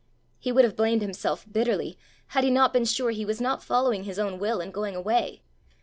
He would have blamed himself bitterly had he not been sure he was not following his own will in going away.